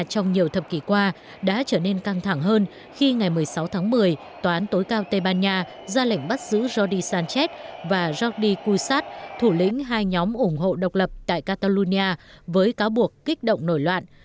trong nhiều thập kỷ qua đã trở nên căng thẳng hơn khi ngày một mươi sáu tháng một mươi tòa án tối cao tây ban nha ra lệnh bắt giữ jodi sanchez và gardi kusat thủ lĩnh hai nhóm ủng hộ độc lập tại catalonia với cáo buộc kích động nổi loạn